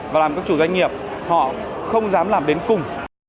và làm các chủ doanh nghiệp họ không dám làm đến cùng